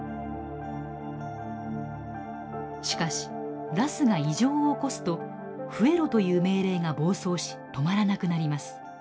しかしＲＡＳが異常を起こすと増えろという命令が暴走し止まらなくなります。